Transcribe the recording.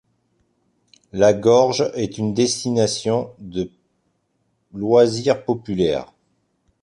La gorge est une destination de loisirs populaire.